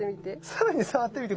さらに触ってみて。